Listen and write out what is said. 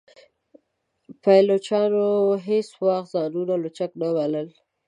پایلوچانو هیڅ وخت ځانونه لوچک نه بلل.